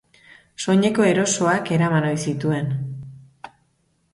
Soineko erosoak eraman ohi zituen.